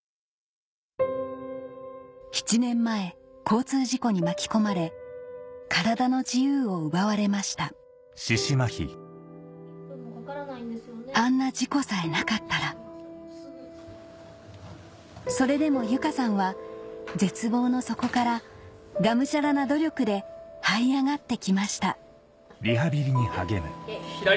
７年前交通事故に巻き込まれ体の自由を奪われましたあんな事故さえなかったらそれでも由佳さんは絶望の底からがむしゃらな努力ではい上がってきました左！